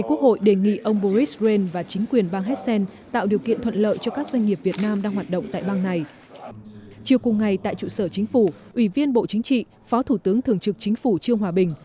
chiều cùng ngày tại trụ sở chính phủ ủy viên bộ chính trị phó thủ tướng thường trực chính phủ trương hòa bình